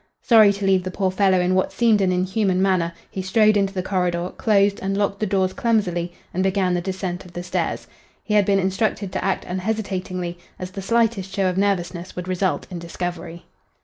Sorry to leave the poor fellow in what seemed an inhuman manner, he strode into the corridor, closed and locked the doors clumsily, and began the descent of the stairs. He had been instructed to act unhesitatingly, as the slightest show of nervousness would result in discovery.